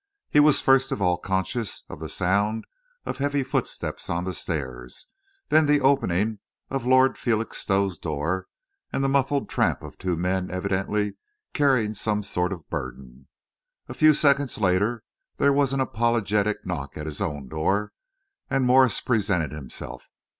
He was first of all conscious of the sound of heavy footsteps on the stairs, then the opening of Lord Felixstowe's door, and the muffled tramp of two men evidently carrying some sort of a burden. A few seconds later there was an apologetic knock at his own door, and Morse presented himself.